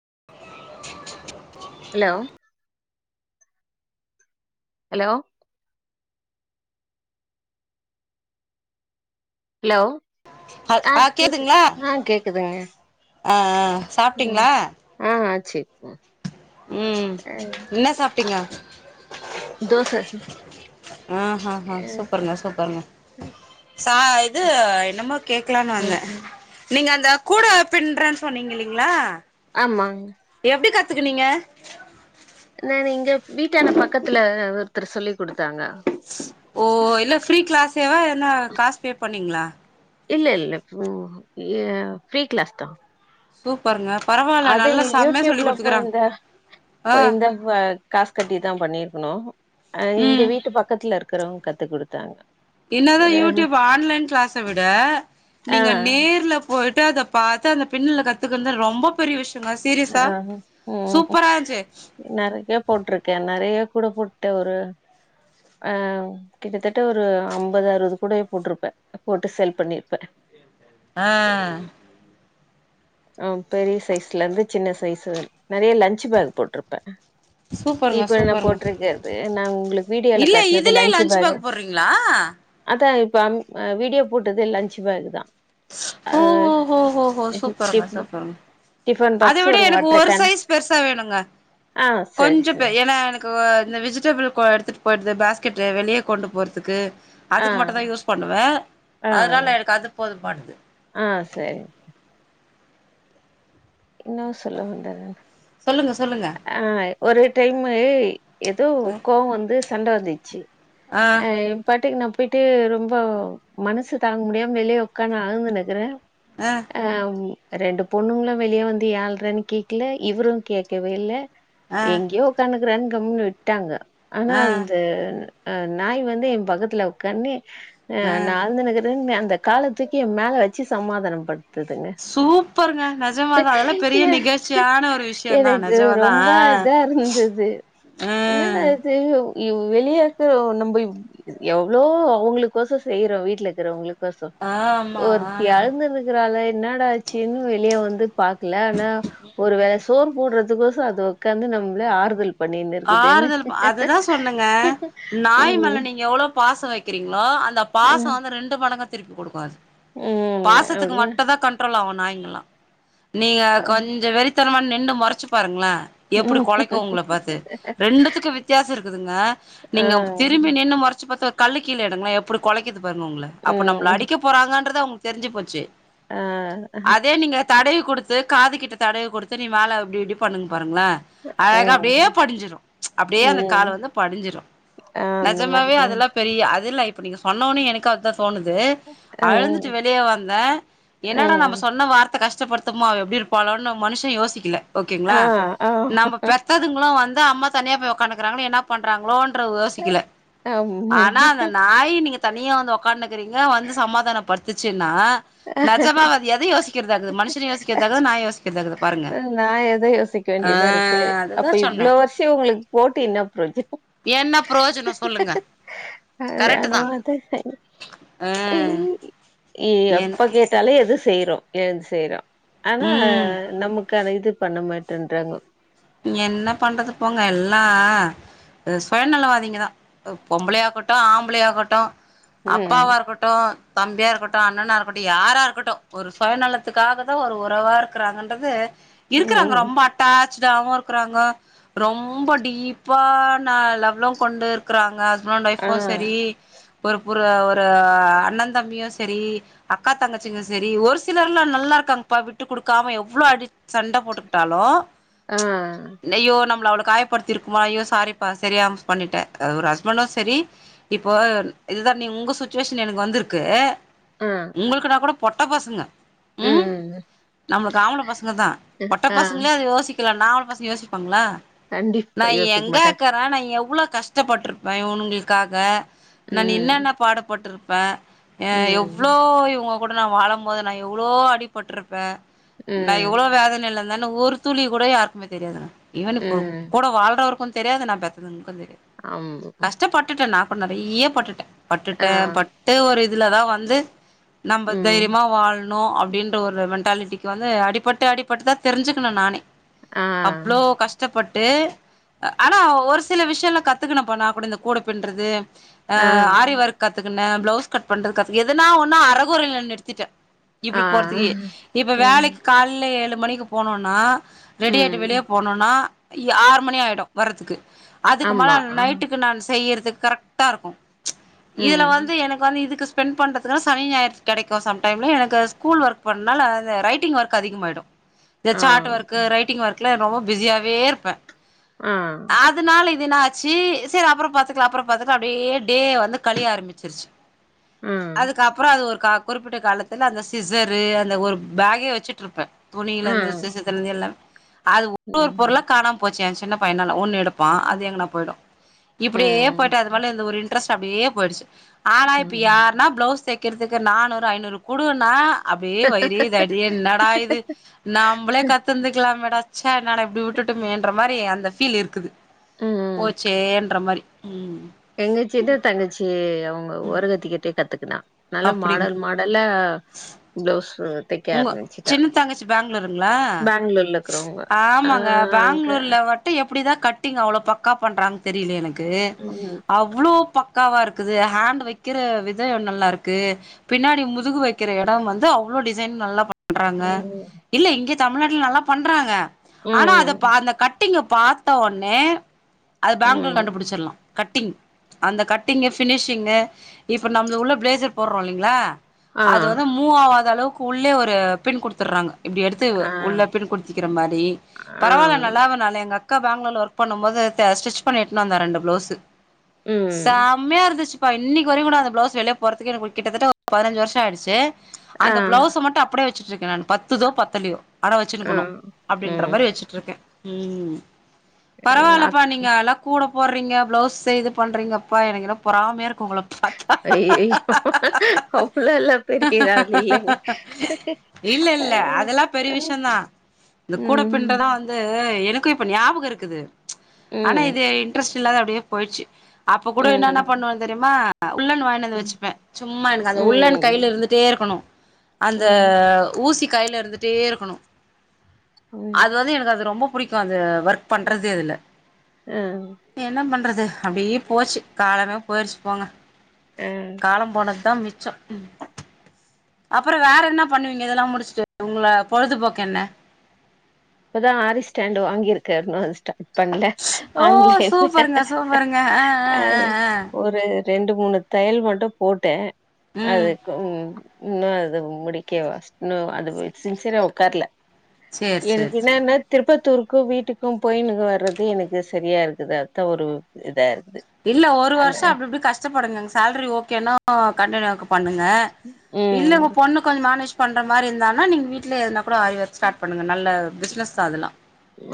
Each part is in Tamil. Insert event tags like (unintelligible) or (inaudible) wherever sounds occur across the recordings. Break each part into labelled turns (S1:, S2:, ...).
S1: (inaudible)
S2: ஹலோ ஹலோ ஹலோ
S1: ஹ
S2: ஆ கேக்குத்
S1: கேதுங்களா
S2: ஆ கேக்குதே
S1: ஆ
S2: ம்
S1: சாப்ட்டீங்களா
S2: ஆ செரிங்க
S1: உம் என்ன சாப்பிட்டீங்க
S2: தோச
S1: ஆஹ் ஹ் ஹ
S2: அ
S1: சூப்பருங்க சூப்பருங்க சா இது என்னமா கேக்கலான்னு வந்தே நீங்க அந்த கூடை பின்றேன்னு சொன்னீங்க இல்லைங்களா
S2: ஆமா
S1: எப்டி கத்துக்குனீங்க
S2: நான்னு இங்க வீட்டால நானு பக்கத்துல ஒருத்தரு சொல்லி் கொடுத்தாரு
S1: ஓ இல்ல ஃப்ரீ கிளாஸ் தேவா என்ன காசு பே பண்ணீங்களா
S2: இல்ல இல்ல ஒ ஆ ஃப்ரீ கிளாஸ் தா
S1: சூப்பர்ருங்க
S2: அது யூடியூப்ல போய் இந்த
S1: ஆ
S2: போய் இந்த காசு கட்டிதா பண்ணிருக்கணு ஆ இங்க
S1: ம்
S2: வீட்டு பக்கத்துல இருக்கு இருக்கறவங்க கத்து குடுத்தாங்க
S1: என்னதா
S2: ஒரு
S1: யூடியூப் ஆன்லைன் கிளாஸ்ஸ விட
S2: ஆ
S1: நீங்க நேர்ல போயிட்டு அத பாத்து அந்த பின்னல கத்துக்கன்து ரொம்ப பெரிய விஷியோ
S2: ஆ உம்
S1: இருந்துச்சு
S2: நறையா போட்டிருக்கே நறைய கூட போட்டு ஒரு ஆ கிட்டத்தட்ட ஒரு அம்பது அறுபது கூட போட்டிருப்பே போட்டு சேல் பண்ணிருப்பே
S1: ஆ
S2: ஆம் பெரிய சைஸ்ல இருந்து சின்ன சைஸ் வறையி நறையா லேன்ச் பேக் போட்டிருப்பே
S1: சூப்பருங்க
S2: இப்ப நா
S1: சூப்பருங்க
S2: போட்டிருக்கிறது நா உங்களுக்கு வீடியோல
S1: இல்ல
S2: காட்டினது
S1: இதுலயே
S2: லஞ்சு
S1: லன்ச்
S2: பேக்
S1: போடுறீங்களா
S2: அதா இப்ப அம் வீடியோ போட்டதே லன்ச் பேக் தா ஆ
S1: ஓ ஓ ஓ ஓ சூப்பர் சூப்பருங்க
S2: டிஃப்
S1: சூப்பருங்க
S2: டிஃபன்
S1: அத
S2: பாக்ஸ்
S1: விட எனக்கு
S2: வாட்டர்
S1: ஒரு
S2: கேன்
S1: சைஸ் பெருசா வேணுங்க
S2: ஆ சரி
S1: கொஞ்சு பெ
S2: சரி
S1: எனா எனக்கு க்கு இந்த வெஜிடபிள் கோ எடுத்துட்டு போயிடுது பேஸ்கெட்டு வெளியே கொண்டு போகுறதுக்கு
S2: ஆ
S1: அதுக்கு மட்டுதா யூஸ் பண்ணுவே
S2: ஆ
S1: அதனால எனக்கு அது போது
S2: ஆ செரி ச இன்னு சொல்ல வந்தே நானு
S1: சொல்லுங்க சொல்லுங்க
S2: ஆ ஒரு டைமு ஏதோ கோவோ வந்து சண்ட வந்துச்சு ஆ ஏ பாட்டுக்கு நா போயிட்டு ரொம்ப மனசு தாங்க முடியாம வெளியே உக்கான்னு அழுந்துனு நிக்கிற ஆ ரெண்டு பொண்ணுங்ளு வெளிய வந்து ஏ அழறேன்னு கேக்ல இவ்வரு கேக்க வே இல்ல வேல்ல
S1: ஆ
S2: எங்கேயோ உக்கானு குரேன்னு கம்னு விட்டாங்க ஆனா
S1: ஆ
S2: அந்த அ நாய் வந்து எ பக்கத்துல உக்காண்ணு ஆ நாள்ந்து (unintelligible) அந்த காலத்தூக்கி எம் மேல வெச்சு சமாதானம் ப
S1: சூப்பருங்க நஜமாதா அதல்லா பெரிய நெகழ்ச்சியான ஒரு விஷயந் தான
S2: எனக்கு ரொம்ப இதா இருந்துது
S1: ஆ
S2: ன்னடா இது வெளியருக்கற நம்ப இவ் எவ்ளோ அவுங்ளுக்கொசற செய்றோ வீட்ல இக்கறவுங்ளுக் சோ
S1: ஆமா
S2: ஒர்த்தி
S1: ஆ
S2: அழுந்துனுக்குறாலே என்னடாச்சுன் வெளிய வந்து பாக்ல ஆனா ஒரு வேள சோறு போடறத துகோசோ அது ஒக்காந்து நம்ள ஆறுதல் பண்ணின்னு இருக்குதுன்னு
S1: ஆறுதல் அதுதா சொன்னங்க நாய்மேல
S2: ம்
S1: நீங்க எவ்ளோ பாசோ வெக்கறீங்ளோ அந்த பாசோ
S2: ம்
S1: வந்து ரெண்டு மடங்கா திருப்பி குடுக்கு அது
S2: ம்
S1: பாசத்துக்கு
S2: அப்டிதா
S1: மட்டுந்தா கண்ட்ரோல் ஆவோ நாய்ங்கலா நீங்க கொஞ்சோ வெறி த்தனமா நின்னு மொறச்சு பாருங்ளே எப்டி கொலைக்கு உங்கள பாத்து ரெண்டுத்துக்கு வித்யாசோ இருக்குதுங்க
S2: ஆ
S1: நீங்க திரும்பி
S2: ம்
S1: நின்னு மொறச்சு பாத்த கல்லு கீழ எடுங்ளே எப்டி கொலைக்கிது பாருங்க உங்ள அப்ப நம்ள அடிக்க
S2: ஆ
S1: போறாங்கன்றத அவுங் தெரிஞ்சி‌‌ போச்சி
S2: ம் ஆ
S1: அதே நீங்க தடவி குடுத்து காது கிட்ட தடவி குடுத்து நீ மேல இப்டி ப்டி பண்ணுங் பாருங்ளா அழகா அப்டியே
S2: ம்.
S1: படிஞ்சிரு அப்டியே அந்த காலு
S2: ம்.
S1: வந்து படிஞ்சிரு
S2: ஆ அந்த
S1: நஜமாவே
S2: மாரிதான்.
S1: அதல்லா பெரிய அதுல்ல ப்ப நீங்க சொன்னோனே எனக்கு அதா தோணுது
S2: ம்.
S1: அழுந்துட்டு வெளிய வந்த என்னடா நம்ம
S2: ம்.
S1: சொன்ன வார்த்த கஷ் கஷ்டப்படுத்தமா அவ எப்டி இருப்பாளோனு மனுஷ யோசிக்கல ஓகேங்களா
S2: ஆ, ஆ.
S1: நம்ம பெத்ததுங்களு வந்து அதா அம்மா தனியா போய் உக்கான்றுக்காங்க என்ன பண்றாங்களோனு பிறவு யோசிக்கல
S2: ஆமா.
S1: ஆனா அந்த நாய் நீங்க தனியா வந்து உக்கான்றுக்கீங்க வந்து சமாதானப்படுத்துச்சு னா நெஜமாவ அது எத யோசிக்கறதாருக்கு மனுஷன யோசிக்கறதா நாய யோசிக்கறதா பாருங்க
S2: நான் எதோ யோசிக்க
S1: அ அததா சொன்னே
S2: சேரி உங்களுக்கு போட்டு என்ன ப்ரோஜனோ
S1: என்ன பிரயோஜனோ சொல்லுங்க கரெக்ட்டு தா ஆ
S2: (unintelligible) இய்யய்யோ
S1: என்ன
S2: அப்ப கேட்டாலே எது செய்றோ எழ்ந்து செய்றோ ஆனா
S1: ம்
S2: நம்க்கு க்கான இது பண்ண மாட்டேன்றாங்க
S1: என்ன பண்றது போங்க எல்லா சுயநலவாதிங்கதா பொம்பளயாகட்டு ஆம்பளயாகட்டு அப்பாவா
S2: ம்.
S1: இருகட்டு தம்பியா இருக்கட்டு அண்ணனா இருக்கட்டு யாரா இருக்கட்டு ஒரு சுயநலத்துக்காகதா ஒரு உறவா இருக்கிறாங்கன்றது இருக்குறாங்க
S2: ம்.
S1: ரொம்ப அட்டாச் ச்சுடாவு இருக்குறாங்க ரொம்ப டீப்பான லவ்லுக் கொண்டு இருக்குறாங்க ஹஸ் ஃபண்ட்
S2: ஆ,
S1: ஒய்ஃபு செரி ஊருபூரா ஒரு அஹ் அண்ணந்தம்பியு செரி அக்கா தங்கச்சிங்களு செரி ஒரு சிலர்லா நல்லா இருக்காங்ப்பா விட்டு குடுக்காம எவ்ளோ அடி சண்ட போட்டுக்ட்டாலு
S2: ஆ,
S1: நெய்யோ நம்ள அவ்ளக் காயப்படுத்திருக்குமா ஐயோ சாரிப்பா செரியாம மிஸ் பண்ணிட்டே அ ஒரு ஹஸ்பண்டு செரி இப்போ இதுதா நீ உங்க சுச்சுவேஷன் எனக்கு வந்திருக்கு உங்களுக்குனாக்கூட பொட்டபசங்க
S2: உம் ம் ம்
S1: நம்ளுக்கு ஆம்பள பச ங்கதா பொட்ட பசங்ளே அது யோசிக் இல்ல நாலு பசங்க யோசிப்பாங்ள நா
S2: கண்டிப்பா யோசிக்க மாட்டேன்.
S1: எங்கக்குறே நா எப் உள்ளா கஷ்டப்பட்டுருப்பே இவனுங்களுக்காக நான்
S2: ம்.
S1: என்னன்ன பாடுப்பட்ருக் பே அ எவ்ளோ
S2: ம்.
S1: இவ்ங்க கூட நா வாழம் போது நா எவ்ளோ அடிபட்ருப்ப நா
S2: ம்.
S1: எவ்ளோ வேதனைல இந் நானு ஒரு துளி கூட யார்க்குமே தெரியாதுங்க இவனுக்கு
S2: ம்.
S1: கூட வாழ்றவர்க்கு வந் தெரியாது நா பெத்ததுன்குதே
S2: ஆமா.
S1: கஷ்டப்பட்டுடனா அப்ப நெறைய்ய பட்டுட்ட. பட்டுட்ட
S2: ஆ.
S1: பட்டு ஒரு இத் இதுலதா வந்து நம்ம
S2: ம்.
S1: தைரிமா வாழ்ண் ணோ அப்டின்ற ஒரு மென்டாலிட்டிக்கு வந்து அடிபட்டு அடிபட்டுதா தெரிஞ்சுகுன நானே.
S2: ஆ.
S1: அவ்ளோ கஷ்டப்பட் டூ ஆனா ஒரு சில விஷ்யொல்லா கத்துக்குனப்பா நா கூட இந்த கூட பின்றது
S2: ஆ.
S1: அஹ் ஆரிவொர்க்கத் த்துக்குண. பிளவுஸ் கட் பண்றது கத் எதுனா ஒன்னா அறகுறையில நிறுத்திட்ட.
S2: ஆ.
S1: இப்டி போற்துக்கே இப்ப
S2: ம்.
S1: வேலைக் கால்ல ஏழு மணிக்கு போனோனா, ரெடியாய்ட்டு
S2: ம்.
S1: வெளிய போனுன்னா ய் ஆறு மணி ஆய்டு வர்றதுக்கு அதுக்கு மேல
S2: ஆமா. ஆ.
S1: நைட்டுக்கு நான் செய்ற அதுக் கரெக்ட்டா இருக்கு. இதுல
S2: ம்.
S1: வந்து எனக்கு வந்து இதுக்குசு ஸ்பெண்ட் பண்றதுக்குன சனி ஞாயிற் கெடைக்கு. சம்டைம்ல எனக்கு ஸ்கூல் ஒர்க் பண்ணால அந்த ரைட்டிங் ஒர்க் அதிகமாய்டு. இந்த
S2: ஆ.
S1: சாட் வொர்க்கு ரைட் வொர்க்குல ரொம்பொ பிஸியாவே இருப்ப.
S2: ஆ. ஆ.
S1: அதனால இது நா ச்சீ சேரி அப்பறோ பாத்துக்கலா அப்பறோ பாத்துக்கலா அப்டியே டே வந்து கழிய ஆரம்பிச்சிருச்சு. அதுக்கப்புறோ அது ஒரு க குறிப்பிட்ட காலத்துல அந்த சிஸரு அந்த ஒரு பேகே வச்சுட்டு இருப்ப.
S2: ஆ.
S1: துணியில இந்து
S2: ம்.
S1: (unintelligible) எல்லாமே அது ஒரு ஒரு
S2: ம்.
S1: பொருளா காணாம் போச்சு ஏ சின்ன பையனால ஒன்னு எடுப் ப்பா அது எங்கனா போய்டு. இப்டியே போய்ட்டு அது மேல இருந்த ஒரு இன் ட்ரஸ்ட் அப்டியே போய்டுச்சு ஆனா
S2: ம்.
S1: இப்பியார்னா பிளவுஸ் தேக் க்கிறதுக்கு நானூறு ஐநூறு குடுன்னா அப்டியே வயரி தடிய என்னாடா இது நம்பளே கத்துந்து மேடாச்சா என்னாடா இப்டி விட்டுட்டுமேன்ற மாரி அந்த ஃபீல் இருக்குது போச்சேன்ற மாரி ம்
S2: எங்கச்சின்ன தங்கச்சி அவுங்க ஓ ஓரகத்தக்கிட்ட கத்துக் க்ணா நல்ல
S1: அப்டிங்
S2: மாடல் மாடல்லா (unintelligible) உம்
S1: உங்க சின்ன தங்கச்சி பெங்களூருங்களா
S2: பேங்ளூர்ல இருக்குறவங்க ஆ
S1: ஆமாங்க
S2: அங்க
S1: பெங்களூர்ல வட்டு எப்ப எப்டி தா கட்டிங் அவ்ளோ பக்கா பண்ணறங்க தெரியல எனக் க்கு
S2: ம்
S1: அவ்ளோ பக் க்காவா இருக்குது ஹேண்ட் வைக்கிற வித நல்லா இருக்கு பின்னாடி முதுகு வைக்கிற இடோ வந்து அவ்ளோ டிஸ் சைன் நல்லா பண் பண்றாங்க
S2: ம்
S1: இல்ல இங்க தமிழ்நாட்ல நல்லா பண்றாங்க ஆனா அதப்பா
S2: ம்
S1: அந்த கட் ட்டிங்க பாத்த ஒன்னே அது பெங்களூர்
S2: ம்
S1: கண்டுபுடுச்சடலா கட்டிங் அந்த கட்டிங்கு பினிஷிங்கு இப்ப நம்மள உள்ள பிளேசர் போடுறோ இல்லைங்ளா
S2: ஆ
S1: அது வந்து மூ ஆவாத அளவுக் உள்ளே ஒரு பின் குடுத்தறாங்க இப்டி எடுத்து
S2: ஆ
S1: உள்ளப்பின் குடித்திக்கிற மாரி
S2: ஆ
S1: பரவாயில்ல நல்லாவ நால எங்க அக் அக்கா பெங்களூர்ல ஒர்க் பண்ணு போது ஸ்டிச் பண்ணிட்டு எத்துனு வந்தா ரெண்டு பிளஸ்ஸு
S2: ம்
S1: செம்யாருத்துச் இப்ப இன்னிக்கு வரைக் கூட அந்த ப்ளவுஸ் வெளிய போகிறதுக்கு எனக்கு கிட்டதட்ட ஒரு பதினாஞ்சு வருசோ ஆய்ருச்சு
S2: அ
S1: ப்ளவுஸ் மட்டு அப்டியே வச் வச்சுட்டு இருக்கேன் நான் பத்துதோ பத்தலையோ
S2: ஆ
S1: அனாவச்சிருக்கணும் அப்படின்ற
S2: ம்
S1: மாரி வச்சுட்டு இருக்கேன் உம் பரவாயில்லப்பா
S2: அக்-
S1: நீங்கல்லா கூட போடுறீங்க பிளவுஸ் இது பண்றீங்க அப்பா எனக்கு பொறாமையா இரு
S2: ஐயயோ அவள எல்லா பெரிய ஆளு இல்லைங்க
S1: இல்ல இல்ல அதெல்லா பெரிய விஷயம்தா இந்த கூட
S2: ம்
S1: பின்றதல்லா வந்து எனக்கும் இப்ப ஞாபகம் இருக்குது ஆனா
S2: ம்
S1: இது இன்ட்ரெஸ்ட் இல்லாத அப்படியே போயிடுச்சு அப்ப
S2: ம்
S1: கூட என்னென்ன
S2: ம்
S1: பண்ணுவ தெரியுமா அஉள்ளன் வாங்கிட்டு வந்து வச்சுப்பேன் சும்மா எனக்கு அந்த உள்ளன் கையில
S2: ம்
S1: இருந்துட்டே இருக்குனும் அந்த
S2: ம்
S1: ஊசிக்கையில இருந்துட்டே இருக்குனும் அது
S2: ம்
S1: வந்து எனக்கு அது ரொம்ப புடிக்கும் அது ஒர்க் பண்றது இதுல
S2: ஆ
S1: என்ன பண்றது அது அப்டியே போச்சு காலமே போயிருச்சு போங்க
S2: ஆ
S1: காலம் போனது தா மிச்சம் அ அப்பற வேற என்ன பண்ணுவீங்க இதெல்லாம் முடிச்சுட்டு உங்கள பொழுதுபோக்கு என்ன
S2: இப்பதா ஆரி ஸ்டாண்டு வாங்கிருக்க இன்னும் அது ஸ்டா பண்ணல
S1: ஓ
S2: ஆன்லைன்
S1: சூப்பருங்க சூப்பருங்க ஆ ஆ
S2: அ
S1: ஆ ஆ
S2: ஒரு ரெண்டு மூணு தையல் மட்டும் போட்டே
S1: ம்
S2: அதுக்கு உம் இன்னும் அது முடிக்கவா இன்னும் அது சின்சியரா உட்கார்ல
S1: சேரி
S2: எனக்கு
S1: சேரி சேரி
S2: என்னன்ன திருப்பத்தூர் க்கும் வீட்டுக்கும் போயுனுவர்றது எனக்கு சரியா இருக்குது அதுதா ஒரு இதா இருக்கு
S1: இல்ல ஒரு வருஷம் அப்டி இப்டி கஷ்டப்படுங்கங் சேலரி ஓகேனா கண்டியு பண்ணுங்க இல்ல
S2: ம்
S1: உங்க பொண்ணு கொஞ்சம் மேனேஜ் பண்ற மாரி இருந்தாங்கனா நீங்க வீட்லயே எதுன அப்பற ஆகி ஒர்க் ஸ்டார்ட் பண்ணுங்க நல்ல பிசினஸ் தா அதெல்லாம்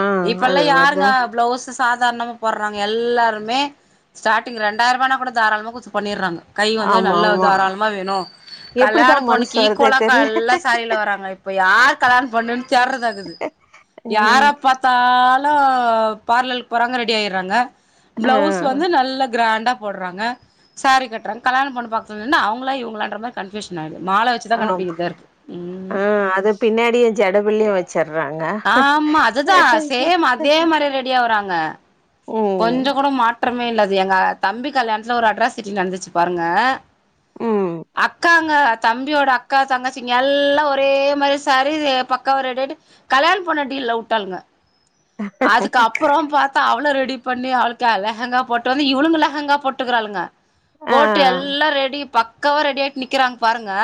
S2: ஆ
S1: இப்பல்லா
S2: அது
S1: யாருங்க
S2: மாரிதா
S1: பிளவுஸ் சாதாரணமா போட்றாங்க எல்லாருமே ஸ்டார்டிங் ரெண்டாய்ரூவானா கூட தாராளமாக குடுத்து பண்ணிட்றாங்க கை வந்து
S2: ஆமா
S1: நல்ல
S2: ஆமா
S1: தாராளமா வேணும்
S2: எப்படிதா
S1: கல்யாணம்
S2: மனசு
S1: பொண்ணுக்கு
S2: வருதே
S1: ஈக்குவலா
S2: தெர்ல
S1: எல்லா சாரில வராங்க இப்ப யார் கல்யாணம் பண்ணுன்னு தேர்றதாகுது யார
S2: ம்
S1: பாத்தாலு ல்ல பார்லக்கு போறாங்க ரெடி ஆய்டுறாங்க
S2: ஆ
S1: ப்ளவுஸ் வந்து நல்ல கிராண்டா போட்றாங்க சாரி கட்டுறாங்க கல்யாண பொண்ணு பாக்கதுல நின்னா அவங்களா இவங்களான்ற மாரி கன்ஃயூஷன் ஆகிடும்
S2: ஆஹ ஆஹ் அது பின்னாடி ஜடவிள்ளய வெச்சர்றாங்க
S1: ஆமா அதுதா சேம் கொஞ்சோ கூட மாற்றமே இல்ல எங்க தம்பி கல்யாணத்துல ஒரு அட்ராசிட்டி நடந்துச்சு பாருங்க
S2: ம்
S1: அக்கா தம்பியோட அக்கா தங்கச்சிங்க எல்லா ஒரே மாரி சாரி பக்காவா ரெடி ஆயிட்டு கல்யாண பொண்ண டீல்ல விட்டாளுங்க அதுக்கு அப்புறோ பாத்தா அவள ரெடி பண்ணி அவளுக்கு லெகங்கா போட்டு வந்து இவுளுகுங்க லெகங்கா போட்டுக்கிறாளுங்க
S2: ஆ
S1: போட்டு எல்லா ரெடி பக்கவா ரெடி நிக்கிறாங்க பாருங்க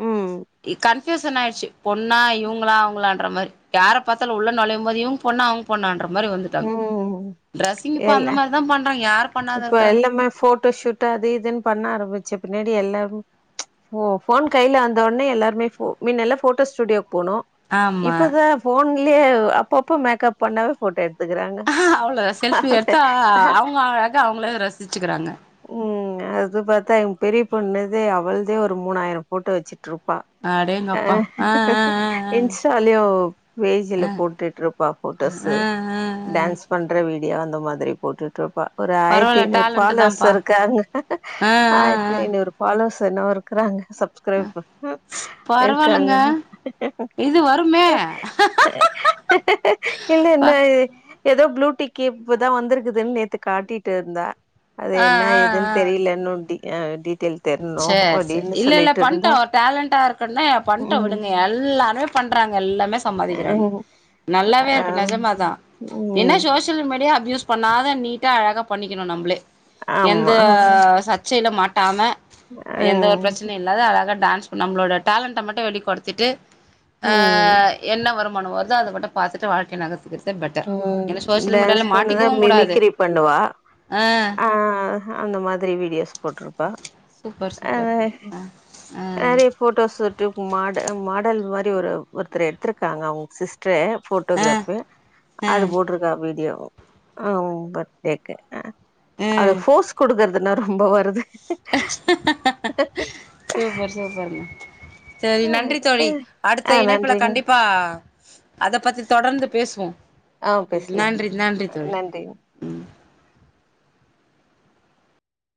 S2: ம்
S1: கன்ஃபியூசன் ஆயிருச்சு பொண்ணா இவங்களா அவங்களான்ற மாரி யார பாத்தலு உள்ள நுழையும் போது இவுங்க பொண்ணா அவுங்க பொண்ணான்ற அந் மாரி வந்துட்டாங்க
S2: ம்
S1: டிரெஸிங் இப்ப
S2: இல்ல
S1: அந்த மாதிரிதா பண்றாங்க யார
S2: இப்ப எல்லாமே போட்டோ ஷூட் அது இதுனு பண்ண ஆரம்பிச்சு பின்ன னாடி எல்லாருமே ப்ச் போன் கைல வந்த ஒன்னே எல்லாருமே மின்ன எல்லா போட்டோ ஸ்டுடியோ போனோ
S1: ஆமா
S2: இப்பதா போன் இல்லயே அப்ப அப்ப மேக்கப் பண்ணாவே போட்டோ எடு
S1: அவ்ளதா செல்ஃபி எடுத்தா அவுங்க அழக அவுங்களே ரசிச்சுகிறாங்க
S2: ம் அது பாத்தா எங்க பெரிய பொண்ணுதே அவளாதே ஒரு மூணாயிரம் போட்டோ வெச்சு ட்ருப்பா
S1: அடேங்கப்பா ஆ ஆ ஆ
S2: இன்ஸ்டாலயு பேஜ்ல போட்டுட்டு இருப்பா போட்டோஸ்
S1: ஆ ஆ ஆ ஆ
S2: டான்ஸ் பண்ற வீ டீயோ அந்த மாதிரி போட்டுட்டு இருப்பா ஒரு ஆயிரத்தி
S1: பரவால்ல
S2: ஐநூறு
S1: டேலண்ட்டு
S2: ஃபாலோவர்ஸ்
S1: தான்ப்பா
S2: இருக்காங்க
S1: ஆ ஆ
S2: ஆயிரத்தி
S1: ஆ
S2: ஐநூறு ஃபாலோஸ் எது என்னவோ இருக்கிறாங்க சப்ஸ்கிரைப் இருக்காங்க
S1: பரவால்லங்க இது வருமே
S2: இல்ல
S1: ப
S2: என்ன இ எதோ ப்ளூ டிக் இப்பதா வந்திருக்குதுன்னு நேத்து காட்டிட்டு இருந்தா அது
S1: ஆ
S2: என்ன
S1: ஆ
S2: ஏதுன்னு
S1: ஆ
S2: தெரியலன்னு நோண்டி ஏ வெடிட்
S1: சேர் சேரி இல்ல இல்ல பண்டோ
S2: இருந்தா
S1: ஒரு டேலண்டா இருக்குன்னா பண்டோ
S2: ம்
S1: விடுங்க எல்லாருமே பண்றாங்க எல்லாமே சம்பாதிக்கிறாங்க நல்லாவே இருக்கு
S2: அ
S1: நிஜமாதா என்ன
S2: ம்
S1: சோசியல் மீடியா யூஸ் பண்ணாத நீட்டா அழகாக பண்ணிக்கணு நம்பளே எந்த
S2: ஆமா
S1: சர்ச் செய்யல மாட்டாம எந்த ஒரு
S2: ம்
S1: பிரச்சனைையு இல்லாத அழக டான்ஸ் நம்மளோட டேலண்ட மட்டும் வெளி படுத்திட்டு அ
S2: ம்
S1: என்ன வரும் ம ஒனு வருது அத மட்டு பாத்துட்டு வாழ்க்கை நகத்
S2: உம் டான்ஸ் பண்ணதா
S1: மாட்டிக்கவு கூடாது
S2: மிமிக்ரி பண்ணுவா
S1: ஆ
S2: அ அந்த மாதிரி வீடியோஸ் போட்டிருப்பா
S1: சூப்பர்
S2: அ
S1: சூப்பர் ஆ ஆ
S2: நெறையா போட்டோஸ் யூட்டுப் மாட மாடல் மாரி ஒரு ஒருத்தர் எடுத்திருக்காங்க அவங்க சிஸ் ட்ரு
S1: ஆ
S2: போபோட்டோகிராஃபு
S1: ஆ
S2: அது போட்டிருக்கா அபி வீடியோ ஆ பர்த்தடேக்கு
S1: ம்
S2: அவளுக்கு போஃஸ் குடுக்கறது அதனா ரொம்ப வருது
S1: சூப்பர் சூப்பர்ங்க செரி
S2: அ.
S1: நன்றி
S2: அ.
S1: தோழி
S2: ஆ
S1: அடுத்த இணைப்புல
S2: நன்றிங்க
S1: கண்டிப்பா அத பத்தி தொடர்ந்து பேசுவோம்
S2: ஆ பேசலாங்க
S1: நன்றி நன்றி தோழி
S2: நன்றிங்க
S1: உம்